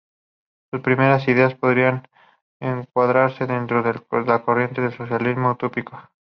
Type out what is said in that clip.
Sus primeras ideas podrían encuadrarse dentro de la corriente del socialismo utópico.